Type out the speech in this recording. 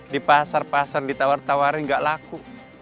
di pasar pasar ditawar tawarin gak laku